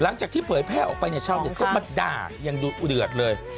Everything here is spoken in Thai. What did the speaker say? หลังจากที่เผยแพร่ออกไปเนี่ยชาวเน็ตก็มาด่ายังดูอุเดือดเลย